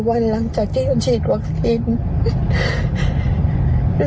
๖๔วันหลังจากที่ย้อนชีอิตวัคซีนอ้อ